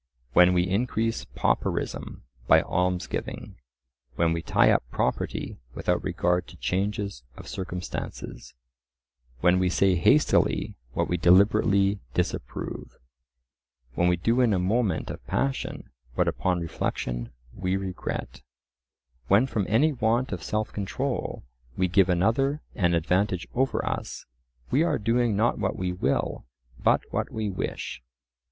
When we increase pauperism by almsgiving; when we tie up property without regard to changes of circumstances; when we say hastily what we deliberately disapprove; when we do in a moment of passion what upon reflection we regret; when from any want of self control we give another an advantage over us—we are doing not what we will, but what we wish.